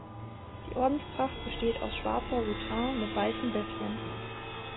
Die Ordenstracht besteht aus schwarzer Soutane mit weißem Beffchen.